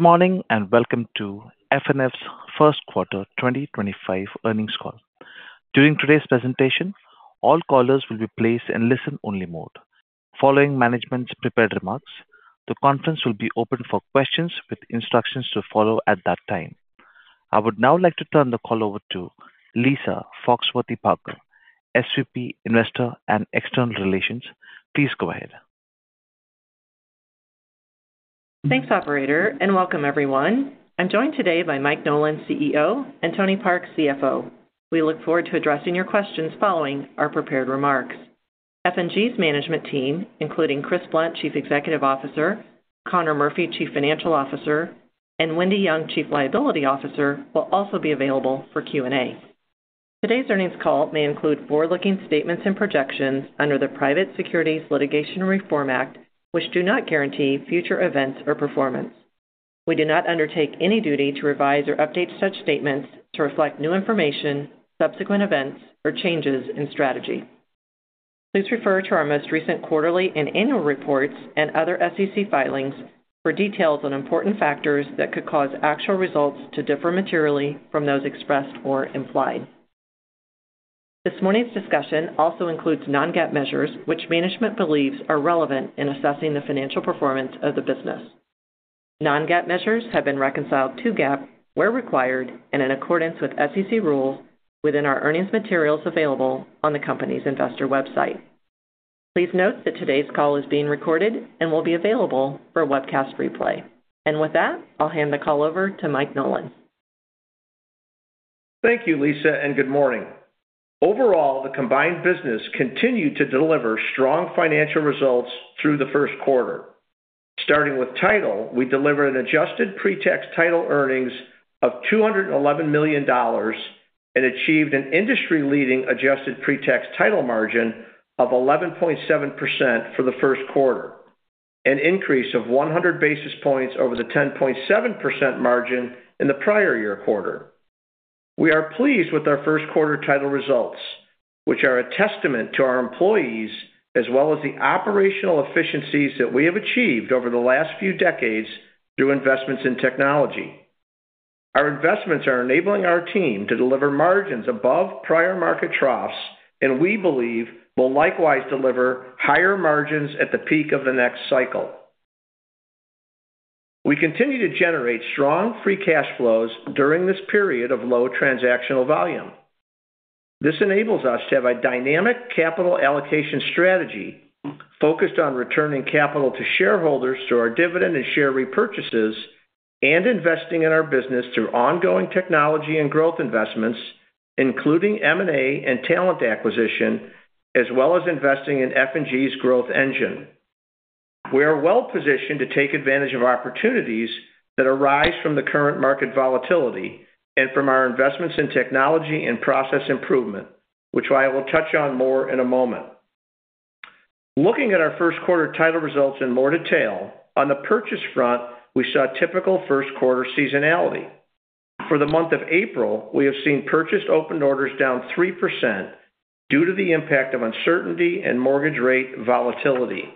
Good morning and welcome to FNF's first quarter 2025 earnings call. During today's presentation, all callers will be placed in listen-only mode. Following management's prepared remarks, the conference will be open for questions with instructions to follow at that time. I would now like to turn the call over to Lisa Foxworthy-Parker, SVP, Investor and External Relations. Please go ahead. Thanks, Operator, and welcome, everyone. I'm joined today by Mike Nolan, CEO, and Tony Park, CFO. We look forward to addressing your questions following our prepared remarks. F&G's management team, including Chris Blunt, Chief Executive Officer, Connor Murphy, Chief Financial Officer, and Wendy Young, Chief Legal Officer, will also be available for Q&A. Today's earnings call may include forward-looking statements and projections under the Private Securities Litigation Reform Act, which do not guarantee future events or performance. We do not undertake any duty to revise or update such statements to reflect new information, subsequent events, or changes in strategy. Please refer to our most recent quarterly and annual reports and other SEC filings for details on important factors that could cause actual results to differ materially from those expressed or implied. This morning's discussion also includes non-GAAP measures which management believes are relevant in assessing the financial performance of the business. Non-GAAP measures have been reconciled to GAAP where required and in accordance with SEC rules within our earnings materials available on the company's investor website. Please note that today's call is being recorded and will be available for webcast replay. And with that, I'll hand the call over to Mike Nolan. Thank you, Lisa, and good morning. Overall, the combined business continued to deliver strong financial results through the first quarter. Starting with title, we delivered an adjusted pretax title earnings of $211 million and achieved an industry-leading adjusted pretax title margin of 11.7% for the first quarter, an increase of 100 basis points over the 10.7% margin in the prior year quarter. We are pleased with our first quarter title results, which are a testament to our employees as well as the operational efficiencies that we have achieved over the last few decades through investments in technology. Our investments are enabling our team to deliver margins above prior market troughs and we believe will likewise deliver higher margins at the peak of the next cycle. We continue to generate strong free cash flows during this period of low transactional volume. This enables us to have a dynamic capital allocation strategy focused on returning capital to shareholders through our dividend and share repurchases and investing in our business through ongoing technology and growth investments, including M&A and talent acquisition, as well as investing in F&G's growth engine. We are well positioned to take advantage of opportunities that arise from the current market volatility and from our investments in technology and process improvement, which I will touch on more in a moment. Looking at our first quarter title results in more detail, on the purchase front, we saw typical first quarter seasonality. For the month of April, we have seen purchased open orders down 3% due to the impact of uncertainty and mortgage rate volatility.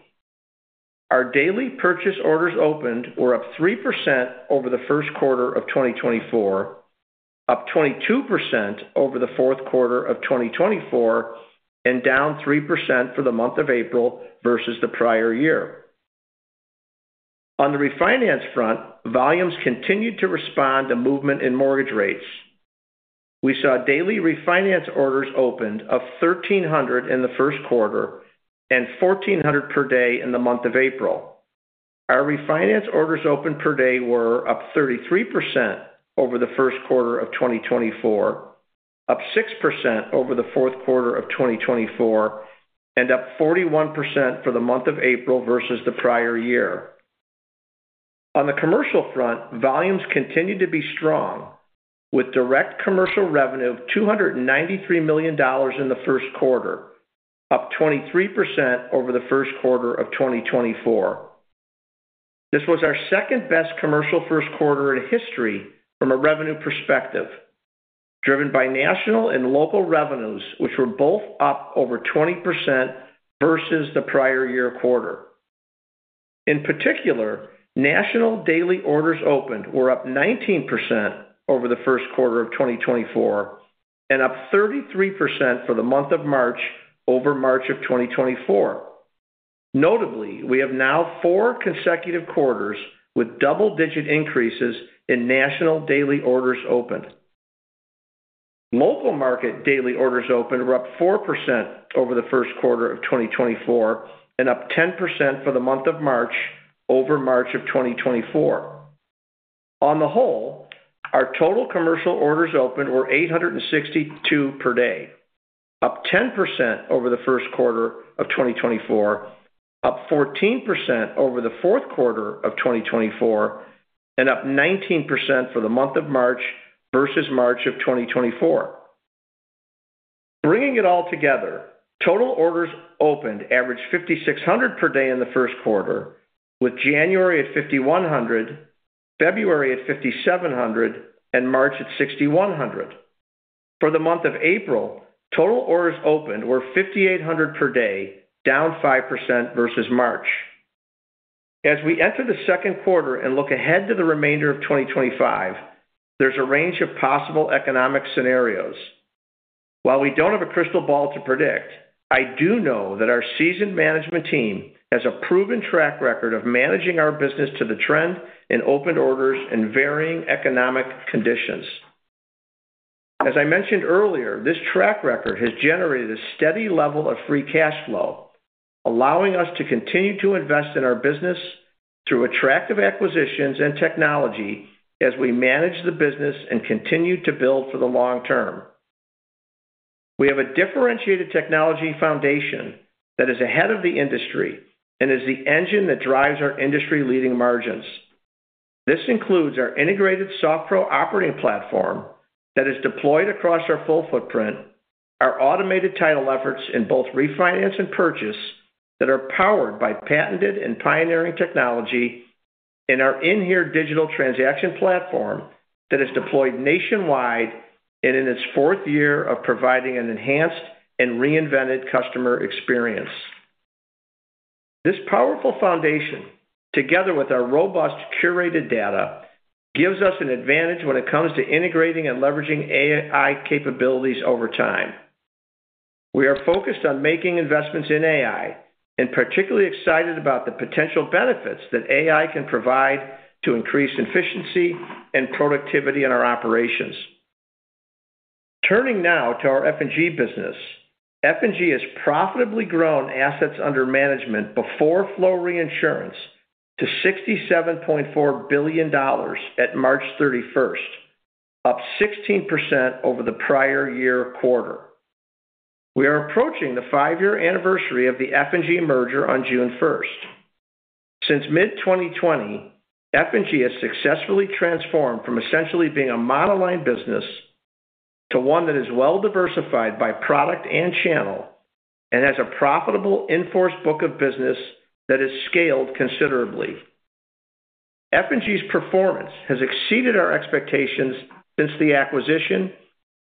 Our daily purchase orders opened were up 3% over the first quarter of 2024, up 22% over the fourth quarter of 2024, and down 3% for the month of April versus the prior year. On the refinance front, volumes continued to respond to movement in mortgage rates. We saw daily refinance orders opened of 1,300 in the first quarter and 1,400 per day in the month of April. Our refinance orders opened per day were up 33% over the first quarter of 2024, up 6% over the fourth quarter of 2024, and up 41% for the month of April versus the prior year. On the commercial front, volumes continued to be strong, with direct commercial revenue of $293 million in the first quarter, up 23% over the first quarter of 2024. This was our second-best commercial first quarter in history from a revenue perspective, driven by national and local revenues, which were both up over 20% versus the prior year quarter. In particular, national daily orders opened were up 19% over the first quarter of 2024 and up 33% for the month of March over March of 2024. Notably, we have now four consecutive quarters with double-digit increases in national daily orders opened. Local market daily orders opened were up 4% over the first quarter of 2024 and up 10% for the month of March over March of 2024. On the whole, our total commercial orders opened were 862 per day, up 10% over the first quarter of 2024, up 14% over the fourth quarter of 2024, and up 19% for the month of March versus March of 2024. Bringing it all together, total orders opened averaged 5,600 per day in the first quarter, with January at 5,100, February at 5,700, and March at 6,100. For the month of April, total orders opened were 5,800 per day, down 5% versus March. As we enter the second quarter and look ahead to the remainder of 2025, there's a range of possible economic scenarios. While we don't have a crystal ball to predict, I do know that our seasoned management team has a proven track record of managing our business to the trend in open orders and varying economic conditions. As I mentioned earlier, this track record has generated a steady level of free cash flow, allowing us to continue to invest in our business through attractive acquisitions and technology as we manage the business and continue to build for the long term. We have a differentiated technology foundation that is ahead of the industry and is the engine that drives our industry-leading margins. This includes our integrated SoftPro operating platform that is deployed across our full footprint, our automated title efforts in both refinance and purchase that are powered by patented and pioneering technology, and our inHere digital transaction platform that is deployed nationwide and in its fourth year of providing an enhanced and reinvented customer experience. This powerful foundation, together with our robust curated data, gives us an advantage when it comes to integrating and leveraging AI capabilities over time. We are focused on making investments in AI and particularly excited about the potential benefits that AI can provide to increase efficiency and productivity in our operations. Turning now to our F&G business, F&G has profitably grown assets under management before flow reinsurance to $67.4 billion at March 31st, up 16% over the prior year quarter. We are approaching the five-year anniversary of the F&G merger on June 1st. Since mid-2020, F&G has successfully transformed from essentially being a monoline business to one that is well-diversified by product and channel and has a profitable in-force book of business that has scaled considerably. F&G's performance has exceeded our expectations since the acquisition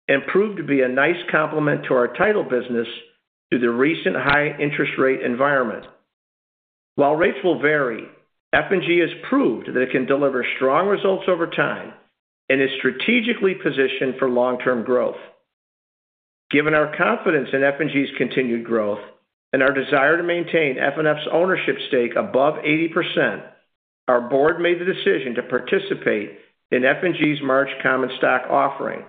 and proved to be a nice complement to our title business due to the recent high interest rate environment. While rates will vary, F&G has proved that it can deliver strong results over time and is strategically positioned for long-term growth. Given our confidence in F&G's continued growth and our desire to maintain F&F's ownership stake above 80%, our board made the decision to participate in F&G's March Common Stock Offering.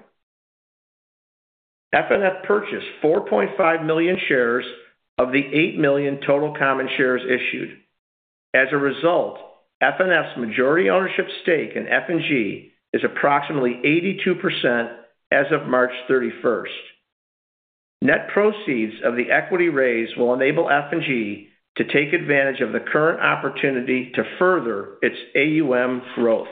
F&F purchased 4.5 million shares of the 8 million total common shares issued. As a result, F&F's majority ownership stake in F&G is approximately 82% as of March 31st. Net proceeds of the equity raise will enable F&G to take advantage of the current opportunity to further its AUM growth.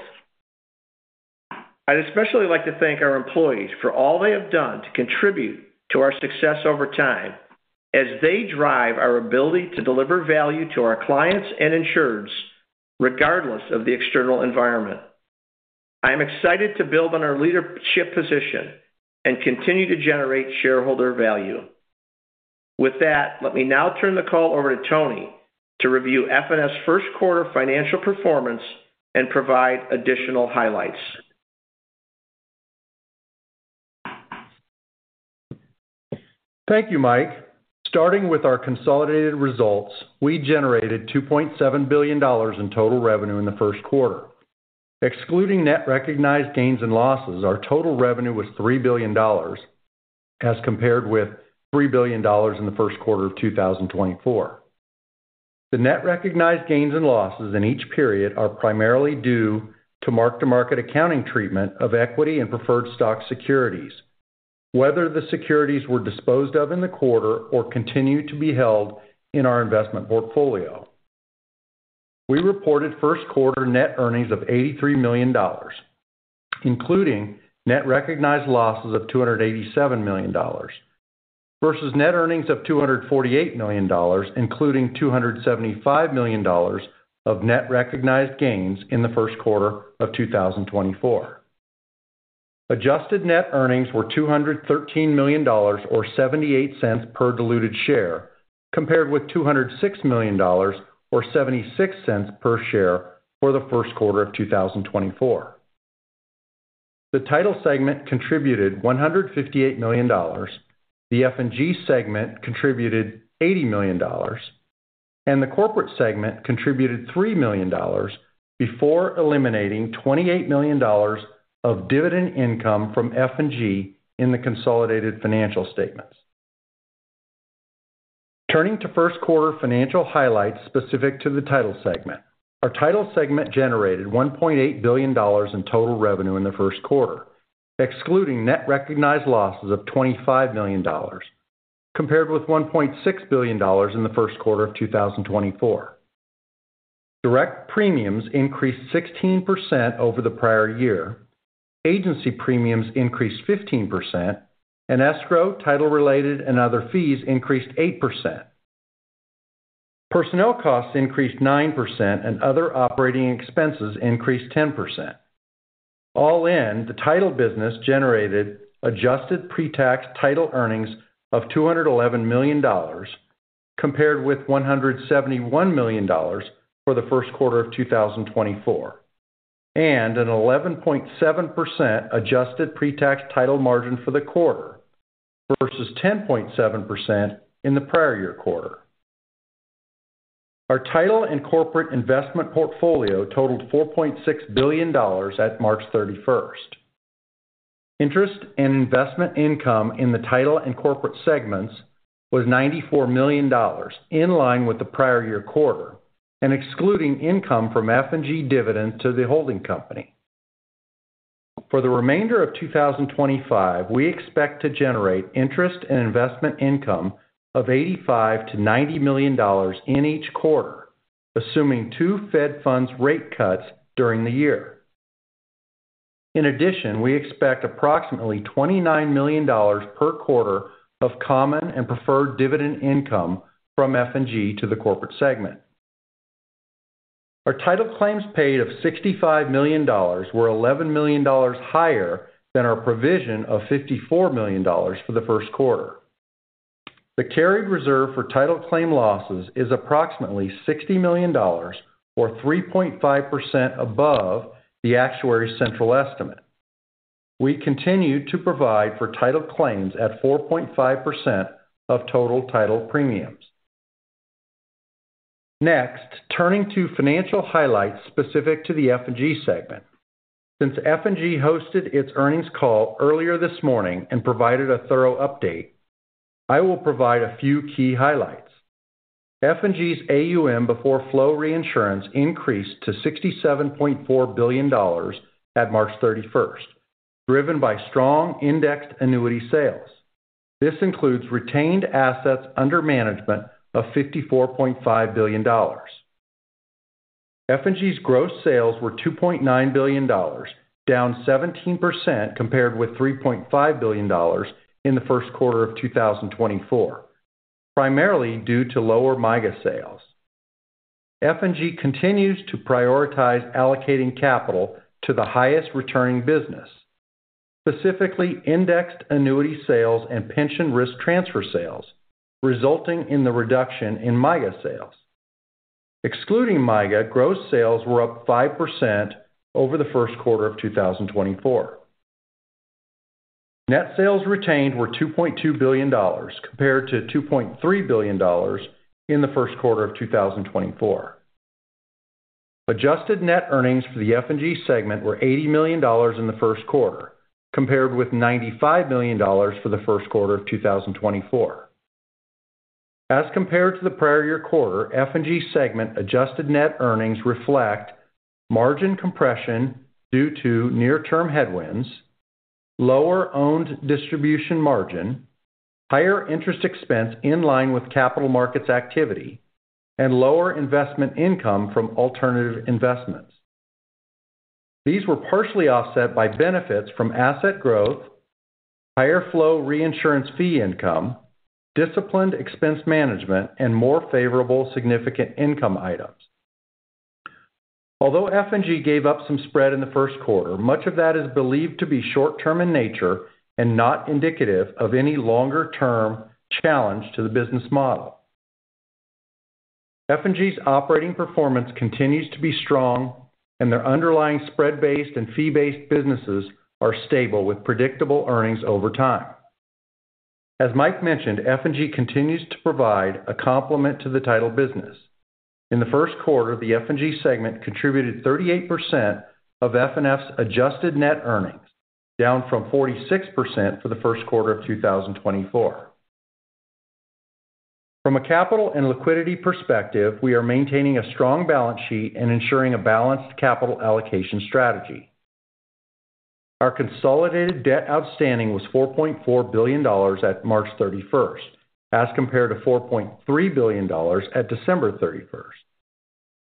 I'd especially like to thank our employees for all they have done to contribute to our success over time as they drive our ability to deliver value to our clients and insureds regardless of the external environment. I'm excited to build on our leadership position and continue to generate shareholder value. With that, let me now turn the call over to Tony to review F&F's first quarter financial performance and provide additional highlights. Thank you, Mike. Starting with our consolidated results, we generated $2.7 billion in total revenue in the first quarter. Excluding net recognized gains and losses, our total revenue was $3 billion as compared with $3 billion in the first quarter of 2024. The net recognized gains and losses in each period are primarily due to mark-to-market accounting treatment of equity and preferred stock securities, whether the securities were disposed of in the quarter or continued to be held in our investment portfolio. We reported first quarter net earnings of $83 million, including net recognized losses of $287 million, versus net earnings of $248 million, including $275 million of net recognized gains in the first quarter of 2024. Adjusted net earnings were $213 million or $0.78 per diluted share, compared with $206 million or $0.76 per share for the first quarter of 2024. The title segment contributed $158 million, the F&G segment contributed $80 million, and the corporate segment contributed $3 million before eliminating $28 million of dividend income from F&G in the consolidated financial statements. Turning to first quarter financial highlights specific to the title segment, our title segment generated $1.8 billion in total revenue in the first quarter, excluding net recognized losses of $25 million, compared with $1.6 billion in the first quarter of 2024. Direct premiums increased 16% over the prior year, agency premiums increased 15%, and escrow, title-related, and other fees increased 8%. Personnel costs increased 9% and other operating expenses increased 10%. All in, the title business generated adjusted pretax title earnings of $211 million compared with $171 million for the first quarter of 2024, and an 11.7% adjusted pretax title margin for the quarter versus 10.7% in the prior year quarter. Our title and corporate investment portfolio totaled $4.6 billion at March 31st. Interest and investment income in the title and corporate segments was $94 million, in line with the prior year quarter, and excluding income from F&G dividend to the holding company. For the remainder of 2025, we expect to generate interest and investment income of $85-$90 million in each quarter, assuming two Fed funds rate cuts during the year. In addition, we expect approximately $29 million per quarter of common and preferred dividend income from F&G to the corporate segment. Our title claims paid of $65 million were $11 million higher than our provision of $54 million for the first quarter. The carried reserve for title claim losses is approximately $60 million, or 3.5% above the actuary's central estimate. We continue to provide for title claims at 4.5% of total title premiums. Next, turning to financial highlights specific to the F&G segment. Since F&G hosted its earnings call earlier this morning and provided a thorough update, I will provide a few key highlights. F&G's AUM before flow reinsurance increased to $67.4 billion at March 31st, driven by strong indexed annuity sales. This includes retained assets under management of $54.5 billion. F&G's gross sales were $2.9 billion, down 17% compared with $3.5 billion in the first quarter of 2024, primarily due to lower MYGA sales. F&G continues to prioritize allocating capital to the highest returning business, specifically indexed annuity sales and pension risk transfer sales, resulting in the reduction in MYGA sales. Excluding MYGA, gross sales were up 5% over the first quarter of 2024. Net sales retained were $2.2 billion, compared to $2.3 billion in the first quarter of 2024. Adjusted net earnings for the F&G segment were $80 million in the first quarter, compared with $95 million for the first quarter of 2024. As compared to the prior year quarter, F&G segment adjusted net earnings reflect margin compression due to near-term headwinds, lower owned distribution margin, higher interest expense in line with capital markets activity, and lower investment income from alternative investments. These were partially offset by benefits from asset growth, higher flow reinsurance fee income, disciplined expense management, and more favorable significant income items. Although F&G gave up some spread in the first quarter, much of that is believed to be short-term in nature and not indicative of any longer-term challenge to the business model. F&G's operating performance continues to be strong, and their underlying spread-based and fee-based businesses are stable with predictable earnings over time. As Mike mentioned, F&G continues to provide a complement to the title business. In the first quarter, the F&G segment contributed 38% of F&F's adjusted net earnings, down from 46% for the first quarter of 2024. From a capital and liquidity perspective, we are maintaining a strong balance sheet and ensuring a balanced capital allocation strategy. Our consolidated debt outstanding was $4.4 billion at March 31st, as compared to $4.3 billion at December 31st.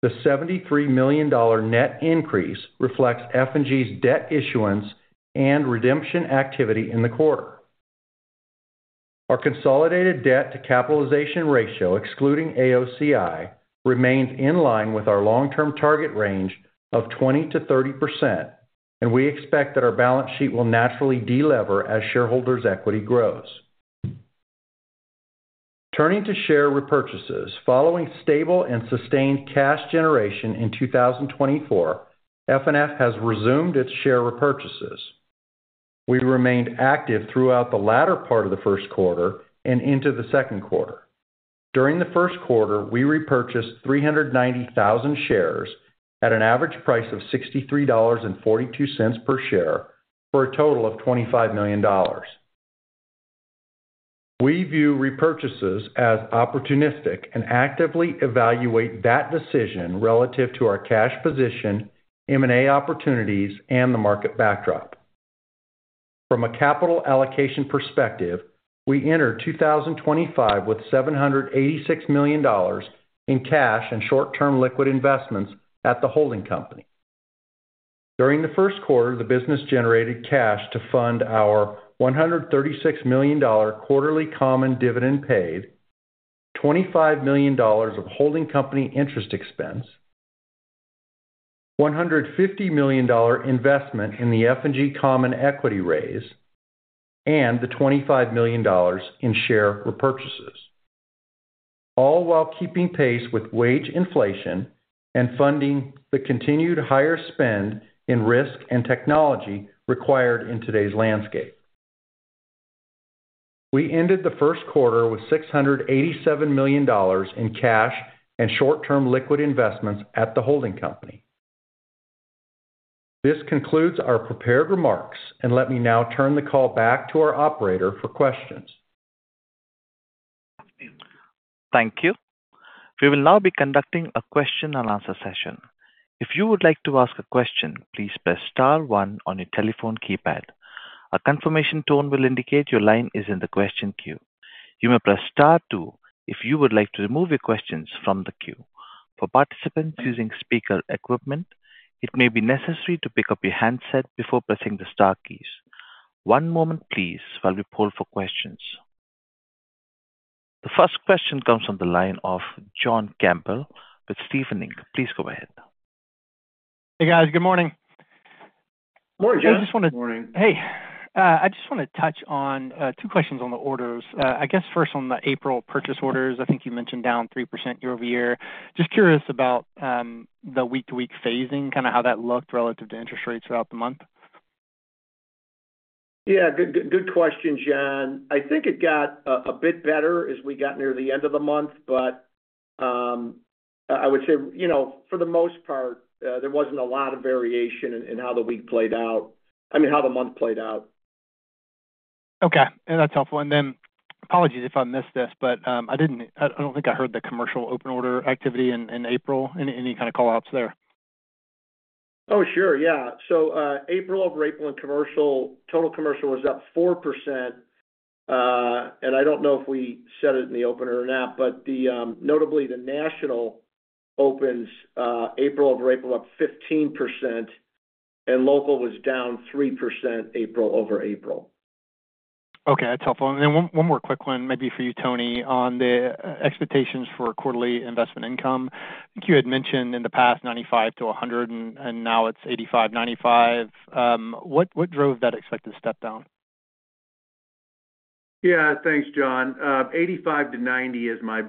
The $73 million net increase reflects F&G's debt issuance and redemption activity in the quarter. Our consolidated debt to capitalization ratio, excluding AOCI, remains in line with our long-term target range of 20%-30%, and we expect that our balance sheet will naturally de-lever as shareholders' equity grows. Turning to share repurchases, following stable and sustained cash generation in 2024, F&F has resumed its share repurchases. We remained active throughout the latter part of the first quarter and into the second quarter. During the first quarter, we repurchased 390,000 shares at an average price of $63.42 per share for a total of $25 million. We view repurchases as opportunistic and actively evaluate that decision relative to our cash position, M&A opportunities, and the market backdrop. From a capital allocation perspective, we entered 2025 with $786 million in cash and short-term liquid investments at the holding company. During the first quarter, the business generated cash to fund our $136 million quarterly common dividend paid, $25 million of holding company interest expense, $150 million investment in the F&G common equity raise, and the $25 million in share repurchases, all while keeping pace with wage inflation and funding the continued higher spend in risk and technology required in today's landscape. We ended the first quarter with $687 million in cash and short-term liquid investments at the holding company. This concludes our prepared remarks, and let me now turn the call back to our operator for questions. Thank you. We will now be conducting a question-and-answer session. If you would like to ask a question, please press Star 1 on your telephone keypad. A confirmation tone will indicate your line is in the question queue. You may press Star 2 if you would like to remove your questions from the queue. For participants using speaker equipment, it may be necessary to pick up your handset before pressing the Star keys. One moment, please, while we poll for questions. The first question comes from the line of John Campbell with Stephens Inc. Please go ahead. Hey, guys. Good morning. Morning, John. I just want to touch on two questions on the orders. I guess first on the April purchase orders, I think you mentioned down 3% year over year. Just curious about the week-to-week phasing, kind of how that looked relative to interest rates throughout the month. Yeah. Good question, John. I think it got a bit better as we got near the end of the month, but I would say, for the most part, there wasn't a lot of variation in how the week played out, I mean, how the month played out. Okay. That's helpful. And then apologies if I missed this, but I don't think I heard the commercial open order activity in April, any kind of callouts there? Oh, sure. Yeah. So April over April in commercial, total commercial was up 4%. And I don't know if we said it in the opener or not, but notably, the national opens April over April up 15%, and local was down 3% April over April. Okay. That's helpful. And then one more quick one, maybe for you, Tony, on the expectations for quarterly investment income. I think you had mentioned in the past 95-100, and now it's 85-95. What drove that expected step down? Yeah. Thanks, John. 85-90 is my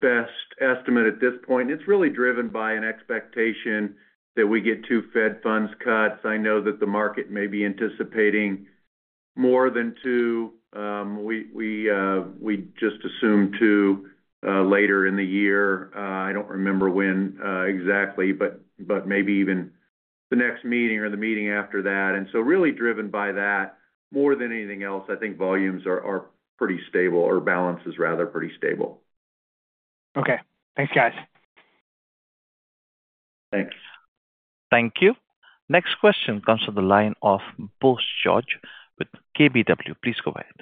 best estimate at this point. It's really driven by an expectation that we get two Fed funds cuts. I know that the market may be anticipating more than two. We just assumed two later in the year. I don't remember when exactly, but maybe even the next meeting or the meeting after that, and so really driven by that. More than anything else, I think volumes are pretty stable, or balances rather, pretty stable. Okay. Thanks, guys. Thanks. Thank you. Next question comes from the line of Bose George with KBW. Please go ahead.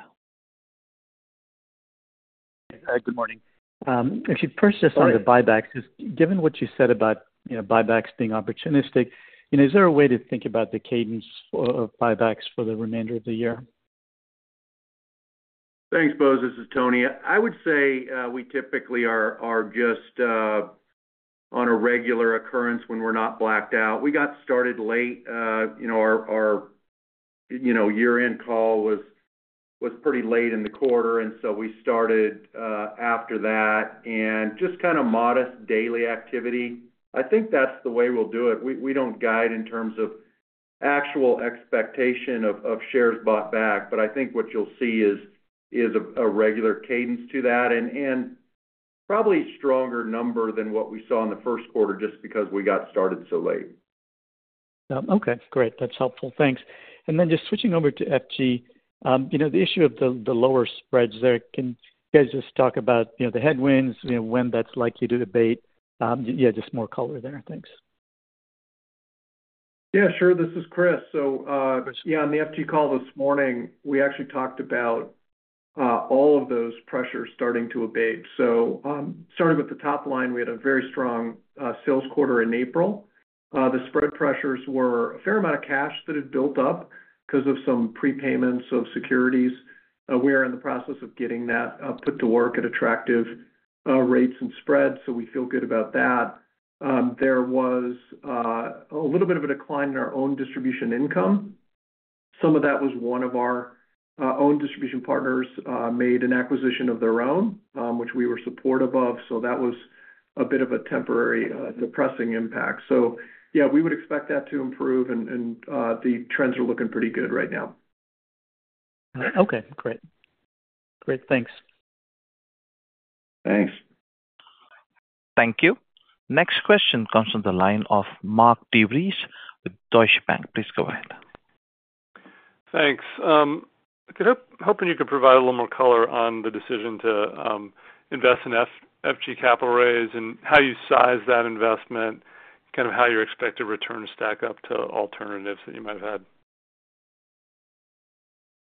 Hey, guys. Good morning. If you'd first just on the buybacks, just given what you said about buybacks being opportunistic, is there a way to think about the cadence of buybacks for the remainder of the year? Thanks, Bose. This is Tony. I would say we typically are just on a regular occurrence when we're not blacked out. We got started late. Our year-end call was pretty late in the quarter, and so we started after that, and just kind of modest daily activity. I think that's the way we'll do it. We don't guide in terms of actual expectation of shares bought back, but I think what you'll see is a regular cadence to that and probably stronger number than what we saw in the first quarter just because we got started so late. Okay. Great. That's helpful. Thanks. And then just switching over to F&G, the issue of the lower spreads there, can you guys just talk about the headwinds, when that's likely to abate? Yeah, just more color there. Thanks. Yeah. Sure. This is Chris. So yeah, on the F&G call this morning, we actually talked about all of those pressures starting to abate. So starting with the top line, we had a very strong sales quarter in April. The spread pressures were a fair amount of cash that had built up because of some prepayments of securities. We are in the process of getting that put to work at attractive rates and spreads, so we feel good about that. There was a little bit of a decline in our own distribution income. Some of that was one of our own distribution partners made an acquisition of their own, which we were supportive of. So that was a bit of a temporary depressing impact. So yeah, we would expect that to improve, and the trends are looking pretty good right now. Okay. Great. Great. Thanks. Thanks. Thank you. Next question comes from the line of Mark DeVries with Deutsche Bank. Please go ahead. Thanks. Hoping you could provide a little more color on the decision to invest in F&G capital raise and how you size that investment, kind of how your expected returns stack up to alternatives that you might have had.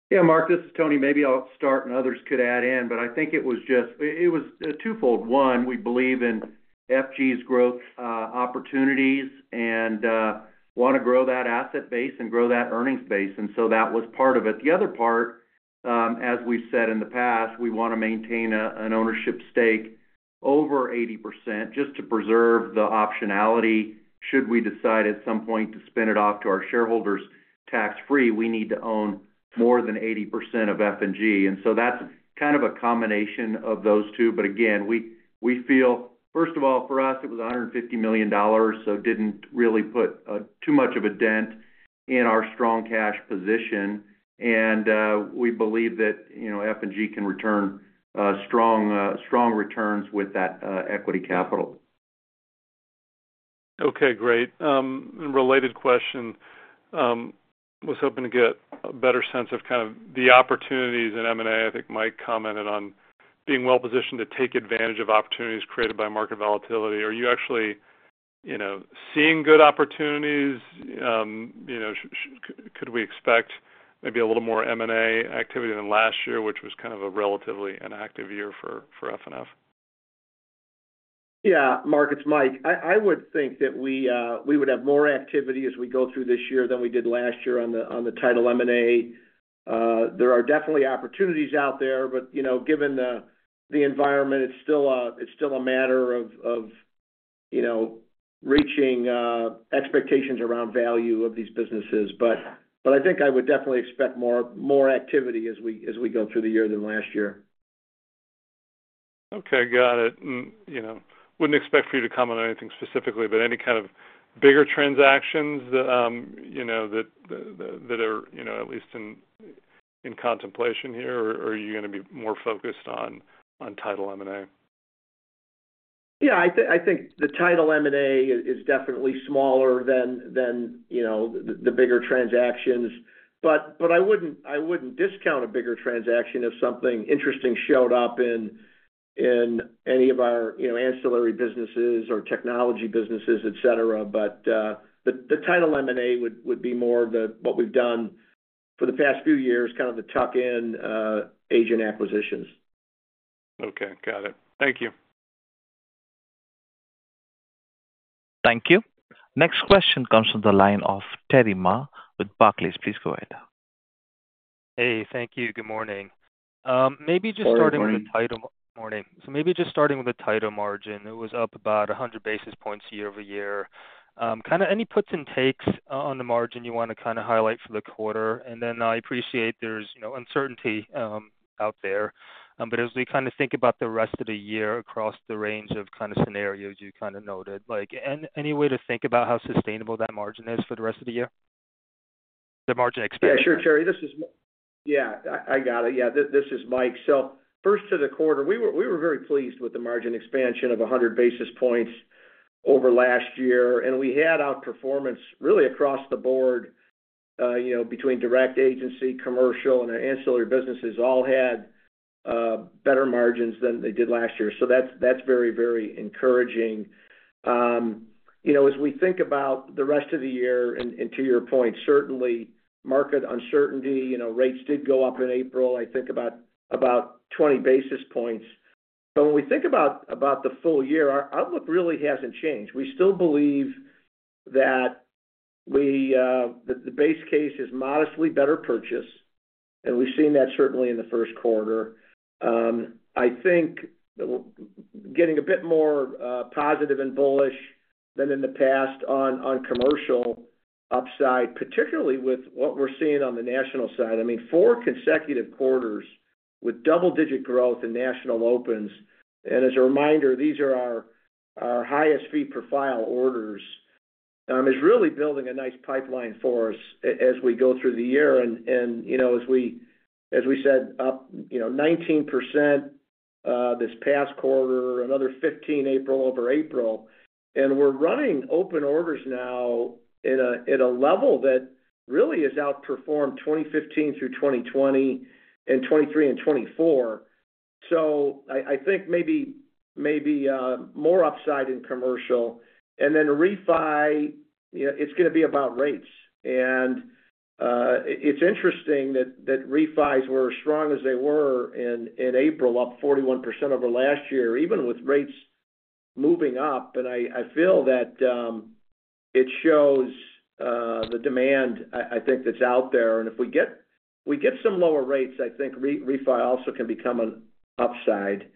Yeah. Mark, this is Tony. Maybe I'll start, and others could add in, but I think it was just twofold. One, we believe in F&G's growth opportunities and want to grow that asset base and grow that earnings base. And so that was part of it. The other part, as we've said in the past, we want to maintain an ownership stake over 80% just to preserve the optionality. Should we decide at some point to spin it off to our shareholders tax-free, we need to own more than 80% of F&G. And so that's kind of a combination of those two. But again, we feel, first of all, for us, it was $150 million, so it didn't really put too much of a dent in our strong cash position. And we believe that F&G can return strong returns with that equity capital. Okay. Great. Related question. Was hoping to get a better sense of kind of the opportunities in M&A. I think Mike commented on being well-positioned to take advantage of opportunities created by market volatility. Are you actually seeing good opportunities? Could we expect maybe a little more M&A activity than last year, which was kind of a relatively inactive year for F&F? Yeah. Mark, it's Mike. I would think that we would have more activity as we go through this year than we did last year on the title M&A. There are definitely opportunities out there, but given the environment, it's still a matter of reaching expectations around value of these businesses. But I think I would definitely expect more activity as we go through the year than last year. Okay. Got it. Wouldn't expect for you to comment on anything specifically, but any kind of bigger transactions that are at least in contemplation here, or are you going to be more focused on title M&A? Yeah. I think the title M&A is definitely smaller than the bigger transactions. But I wouldn't discount a bigger transaction if something interesting showed up in any of our ancillary businesses or technology businesses, etc. But the title M&A would be more of what we've done for the past few years, kind of the tuck-in agent acquisitions. Okay. Got it. Thank you. Thank you. Next question comes from the line of Terry Ma with Barclays. Please go ahead. Hey. Thank you. Good morning. Maybe just starting with the title margin, it was up about 100 basis points year over year. Kind of any puts and takes on the margin you want to kind of highlight for the quarter? And then I appreciate there's uncertainty out there, but as we kind of think about the rest of the year across the range of kind of scenarios you kind of noted, any way to think about how sustainable that margin is for the rest of the year? The margin expansion. Yeah. Sure, Terry. Yeah. I got it. Yeah. This is Mike. So first to the quarter, we were very pleased with the margin expansion of 100 basis points over last year. And we had outperformance really across the board between direct agency, commercial, and our ancillary businesses all had better margins than they did last year. So that's very, very encouraging. As we think about the rest of the year, and to your point, certainly market uncertainty, rates did go up in April, I think about 20 basis points. But when we think about the full year, outlook really hasn't changed. We still believe that the base case is modestly better purchase, and we've seen that certainly in the first quarter. I think getting a bit more positive and bullish than in the past on commercial upside, particularly with what we're seeing on the national side. I mean, four consecutive quarters with double-digit growth in national opens. And as a reminder, these are our highest fee-profile orders, is really building a nice pipeline for us as we go through the year. And as we said, up 19% this past quarter, another 15% April over April. And we're running open orders now at a level that really has outperformed 2015 through 2020 and 2023 and 2024. So I think maybe more upside in commercial. And then the refi, it's going to be about rates. And it's interesting that refis were as strong as they were in April, up 41% over last year, even with rates moving up. And I feel that it shows the demand, I think, that's out there. And if we get some lower rates, I think refi also can become an upside.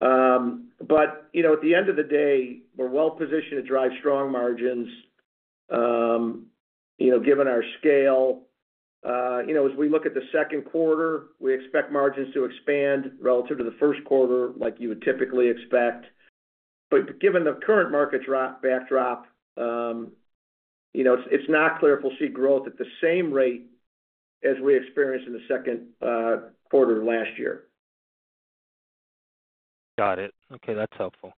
But at the end of the day, we're well-positioned to drive strong margins given our scale. As we look at the second quarter, we expect margins to expand relative to the first quarter, like you would typically expect. But given the current market backdrop, it's not clear if we'll see growth at the same rate as we experienced in the second quarter of last year. Got it. Okay. That's helpful.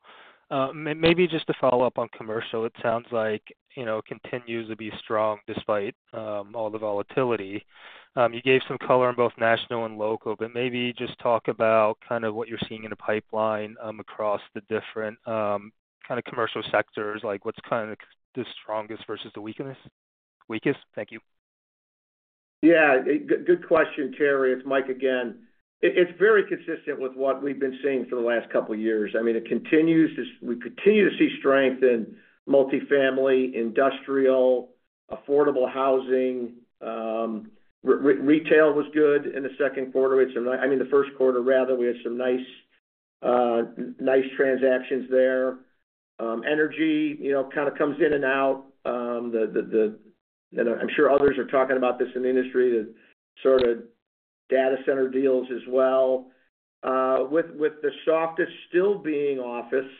Maybe just to follow up on commercial, it sounds like it continues to be strong despite all the volatility. You gave some color on both national and local, but maybe just talk about kind of what you're seeing in the pipeline across the different kind of commercial sectors, like what's kind of the strongest versus the weakest? Thank you. Yeah. Good question, Terry. It's Mike again. It's very consistent with what we've been seeing for the last couple of years. I mean, we continue to see strength in multifamily, industrial, affordable housing. Retail was good in the second quarter. I mean, the first quarter, rather, we had some nice transactions there. Energy kind of comes in and out. I'm sure others are talking about this in the industry, the sort of data center deals as well. With the softest still being office,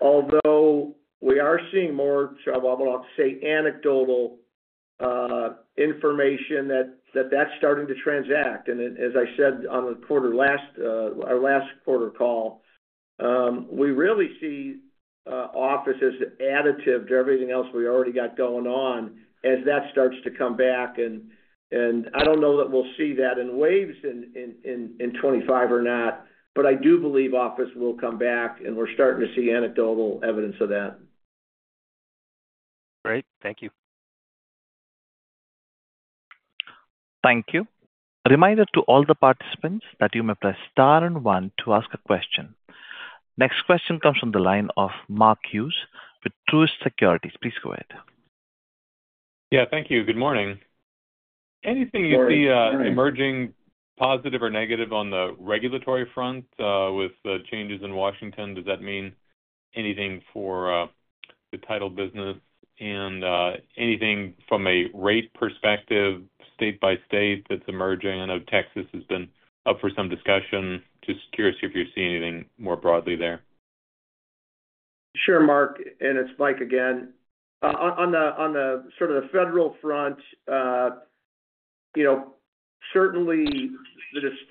although we are seeing more, I would like to say, anecdotal information that that's starting to transact. And as I said on our last quarter call, we really see office as additive to everything else we already got going on as that starts to come back. I don't know that we'll see that in waves in 2025 or not, but I do believe office will come back, and we're starting to see anecdotal evidence of that. Great. Thank you. Thank you. A reminder to all the participants that you may press star and one to ask a question. Next question comes from the line of Mark Hughes with Truist Securities. Please go ahead. Yeah. Thank you. Good morning. Anything you see emerging positive or negative on the regulatory front with the changes in Washington? Does that mean anything for the title business? And anything from a rate perspective, state by state, that's emerging? I know Texas has been up for some discussion. Just curious if you're seeing anything more broadly there. Sure, Mark. And it's Mike again. On the sort of the federal front, certainly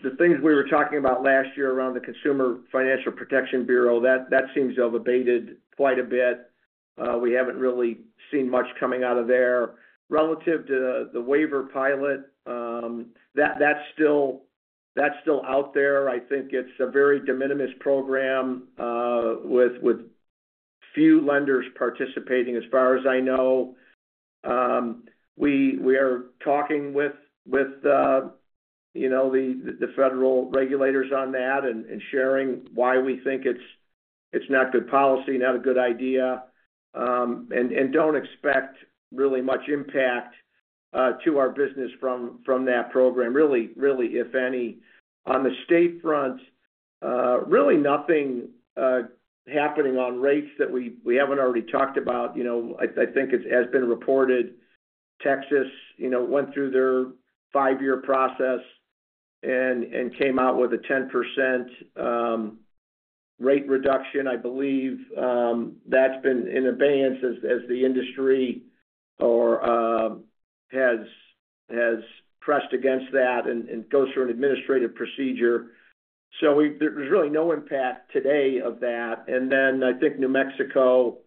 the things we were talking about last year around the Consumer Financial Protection Bureau, that seems to have abated quite a bit. We haven't really seen much coming out of there. Relative to the waiver pilot, that's still out there. I think it's a very de minimis program with few lenders participating, as far as I know. We are talking with the federal regulators on that and sharing why we think it's not good policy, not a good idea, and don't expect really much impact to our business from that program, really, if any. On the state front, really nothing happening on rates that we haven't already talked about. I think it has been reported. Texas went through their five-year process and came out with a 10% rate reduction. I believe that's been in advance as the industry has pressed against that and goes through an administrative procedure, so there's really no impact today of that, and then I think New Mexico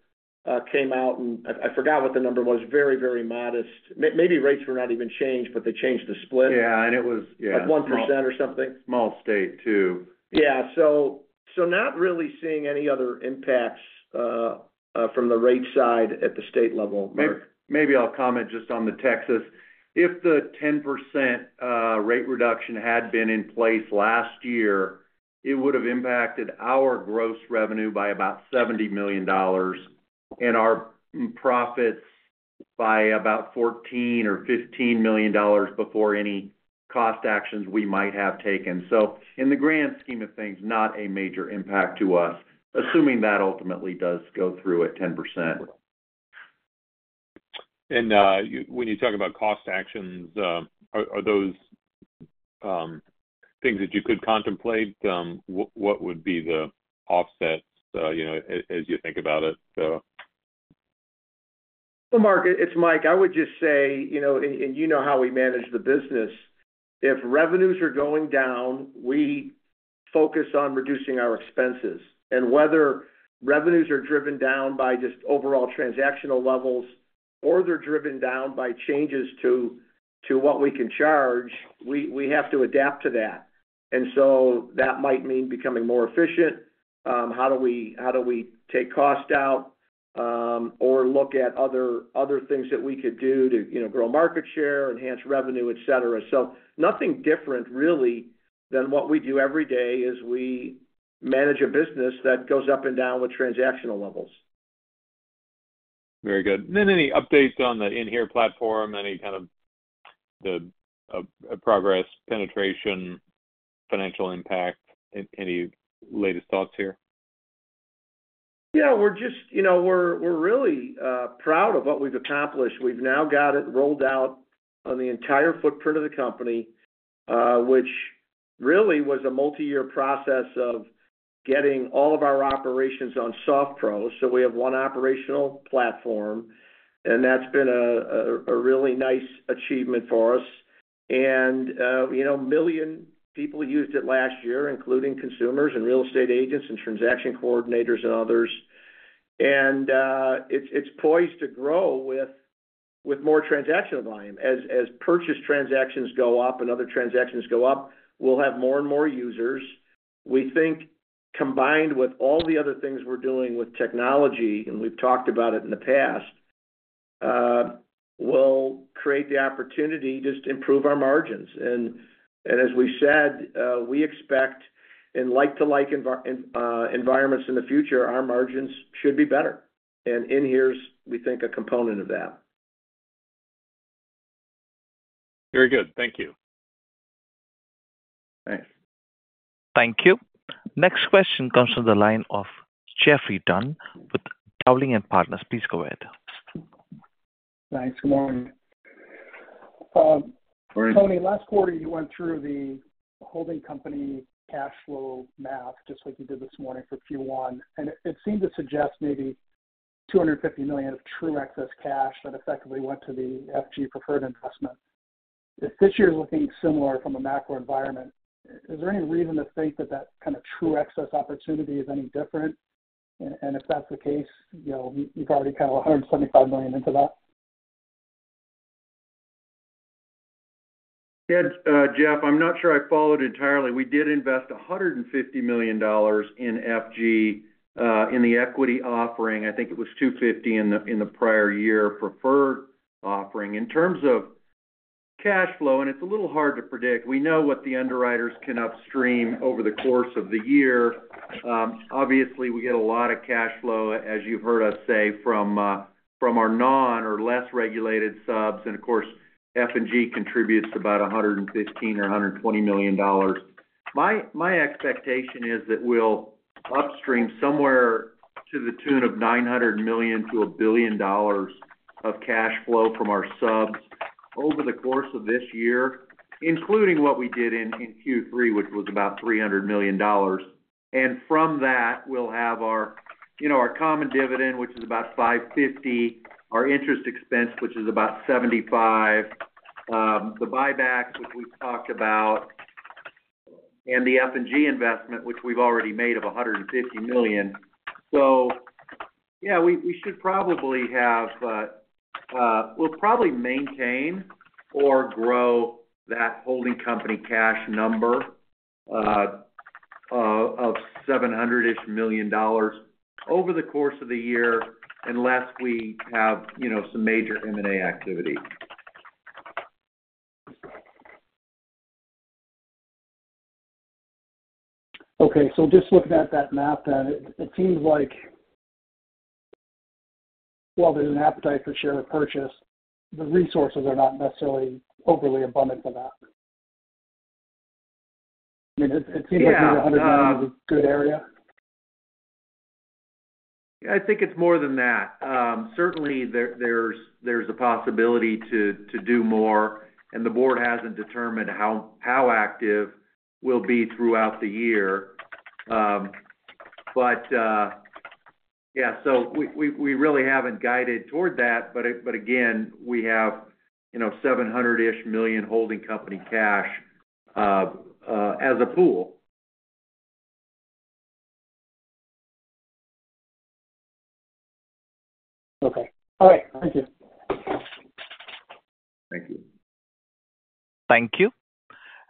came out, and I forgot what the number was, very, very modest. Maybe rates were not even changed, but they changed the split. Yeah. And it was, yeah. At 1% or something. Small state, too. Yeah. So not really seeing any other impacts from the rate side at the state level. Maybe I'll comment just on the Texas. If the 10% rate reduction had been in place last year, it would have impacted our gross revenue by about $70 million and our profits by about $14 or $15 million before any cost actions we might have taken. So in the grand scheme of things, not a major impact to us, assuming that ultimately does go through at 10%. And when you talk about cost actions, are those things that you could contemplate? What would be the offsets as you think about it? Well, Mark, it's Mike. I would just say, and you know how we manage the business. If revenues are going down, we focus on reducing our expenses. And whether revenues are driven down by just overall transactional levels or they're driven down by changes to what we can charge, we have to adapt to that. And so that might mean becoming more efficient. How do we take cost out or look at other things that we could do to grow market share, enhance revenue, etc.? So nothing different really than what we do every day as we manage a business that goes up and down with transactional levels. Very good and then any updates on the inHere platform, any kind of progress, penetration, financial impact, any latest thoughts here? Yeah. We're really proud of what we've accomplished. We've now got it rolled out on the entire footprint of the company, which really was a multi-year process of getting all of our operations on SoftPro's. So we have one operational platform, and that's been a really nice achievement for us. And a million people used it last year, including consumers and real estate agents and transaction coordinators and others. And it's poised to grow with more transactional volume. As purchase transactions go up and other transactions go up, we'll have more and more users. We think combined with all the other things we're doing with technology, and we've talked about it in the past, will create the opportunity just to improve our margins. And as we said, we expect in like-to-like environments in the future, our margins should be better. And inHere's, we think, a component of that. Very good. Thank you. Thanks. Thank you. Next question comes from the line of Jeffrey Dunn with Dowling & Partners. Please go ahead. Thanks. Good morning. Tony, last quarter, you went through the holding company cash flow math just like you did this morning for Q1. And it seemed to suggest maybe $250 million of true excess cash that effectively went to the FG preferred investment. If this year's looking similar from a macro environment, is there any reason to think that that kind of true excess opportunity is any different? And if that's the case, you've already kind of $175 million into that. Yeah. Jeff, I'm not sure I followed entirely. We did invest $150 million in FG in the equity offering. I think it was $250 million in the prior year preferred offering. In terms of cash flow, and it's a little hard to predict. We know what the underwriters can upstream over the course of the year. Obviously, we get a lot of cash flow, as you've heard us say, from our non or less regulated subs. And of course, F and G contributes about $115 million or $120 million. My expectation is that we'll upstream somewhere to the tune of $900 million to $1 billion of cash flow from our subs over the course of this year, including what we did in Q3, which was about $300 million. From that, we'll have our common dividend, which is about $550 million, our interest expense, which is about $75 million, the buyback, which we've talked about, and the F&G investment, which we've already made of $150 million. So yeah, we should probably maintain or grow that holding company cash number of 700-ish million dollars over the course of the year unless we have some major M&A activity. Okay, so just looking at that map, it seems like, well, there's an appetite for share repurchase. The resources are not necessarily overly abundant for that. I mean, it seems like maybe $100 million is a good area. Yeah. I think it's more than that. Certainly, there's a possibility to do more, and the board hasn't determined how active we'll be throughout the year. But yeah, so we really haven't guided toward that. But again, we have $700 million-ish holding company cash as a pool. Okay. All right. Thank you. Thank you. Thank you.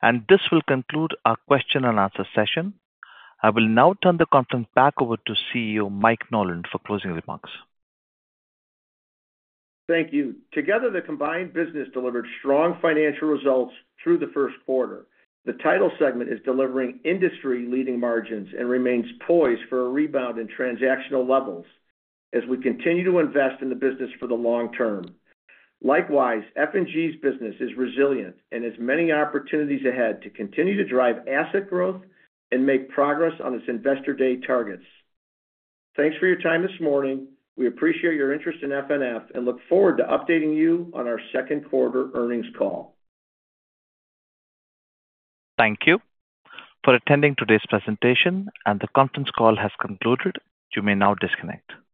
And this will conclude our question and answer session. I will now turn the conference back over to CEO Mike Nolan for closing remarks. Thank you. Together, the combined business delivered strong financial results through the first quarter. The title segment is delivering industry-leading margins and remains poised for a rebound in transactional levels as we continue to invest in the business for the long term. Likewise, F&G's business is resilient and has many opportunities ahead to continue to drive asset growth and make progress on its investor day targets. Thanks for your time this morning. We appreciate your interest in F&F and look forward to updating you on our second quarter earnings call. Thank you for attending today's presentation. The conference call has concluded. You may now disconnect. Good.